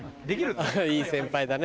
いい先輩だね。